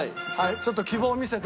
ちょっと希望を見せて。